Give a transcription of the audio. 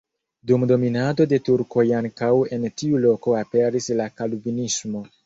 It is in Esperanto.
Dum dominado de turkoj ankaŭ en tiu loko aperis la kalvinismo.